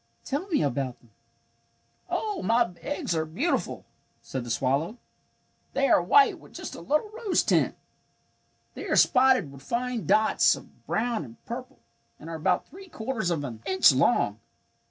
Tell me about them." "Oh, my eggs are beautiful," said the swallow. "They are white with just a little rose tint. They are spotted with fine dots of brown and purple, and are about three quarters of an inch long.